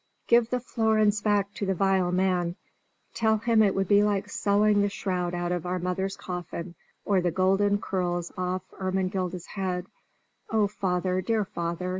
Give the florins back to the vile man. Tell him it would be like selling the shroud out of mother's coffin, or the golden curls off Ermengilda's head! Oh, father, dear father!